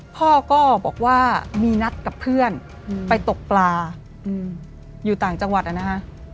พ่อก็บอกว่ามีนัดกับเพื่อนไปตกปลาอยู่ต่างจังหวัดนะฮะ